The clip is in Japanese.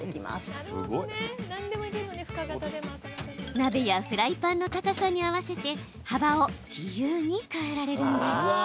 鍋やフライパンの高さに合わせて幅を自由に変えられるんです。